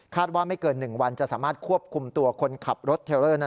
คาดว่าไม่เกินหนึ่งวันจะสามารถควบคุมตัวคนขับรถเทรอร์